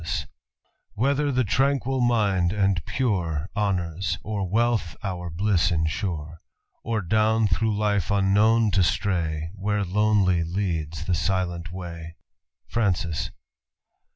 Whether the tranquil mind and pure, Honours or wealth our bliss insure ; Or down through life unknown to stray, Where lonely leads the silent way.*' Francis.